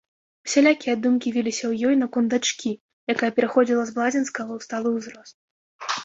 Усялякія думкі віліся ў ёй наконт дачкі, якая пераходзіла з блазенскага ў сталы ўзрост.